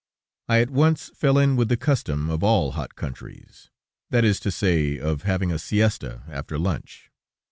I at once fell in with the custom of all hot countries, that is to say, of having a siesta after lunch.